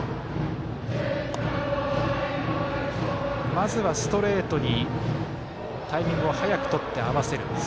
まずはストレートにタイミングを早くとって合わせる。